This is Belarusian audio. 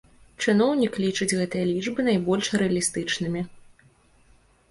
Чыноўнік лічыць гэтыя лічбы найбольш рэалістычнымі.